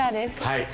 はい。